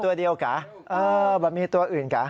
๕ตัวเดียวกับมีตัวอื่นกับ